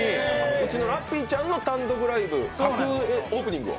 うちのラッピーちゃんのオープニングを。